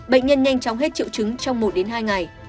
bệnh nhân nhanh chóng hết triệu chứng trong một đến hai ngày